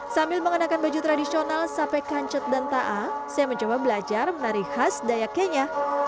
sambil mengenakan baju tradisional sape kancet dan ⁇ taa ⁇ saya mencoba belajar menari khas dayak kenya